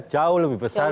jauh lebih besar